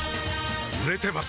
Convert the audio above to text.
売れてます